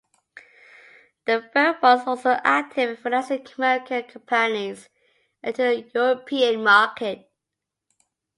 The firm was also active in financing American companies entering the European market.